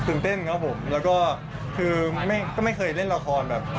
เต้นครับผมแล้วก็คือก็ไม่เคยเล่นละครแบบ